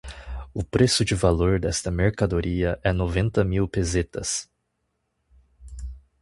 O preço de valor desta mercadoria é noventa mil pesetas.